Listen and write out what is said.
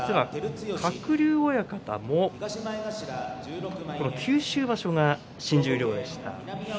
鶴竜親方も実は九州場所が新十両でした。